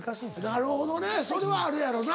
なるほどねそれはあるやろな。